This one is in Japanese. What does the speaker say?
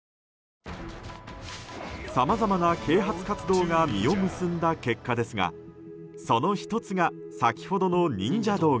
さまざまな啓発活動が実を結んだ結果ですがその１つが、先ほどの忍者動画。